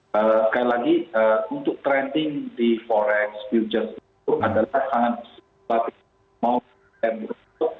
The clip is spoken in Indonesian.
sekali lagi untuk trading di forex futures itu adalah sangat susah